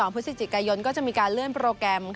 พฤศจิกายนก็จะมีการเลื่อนโปรแกรม